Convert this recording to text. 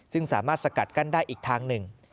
ซึ่งสามารถสกัดกั้นได้อีกทางหนึ่ง